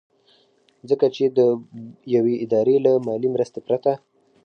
ځکه چې د يوې ادارې له مالي مرستې پرته